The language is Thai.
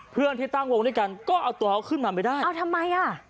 เพื่อนที่ตั้งวงด้วยกันก็เอาตัวเขาขึ้นมาไม่ได้เอาทำไมอ่ะ